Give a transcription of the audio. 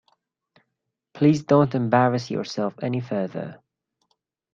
Please don't embarrass yourself any further.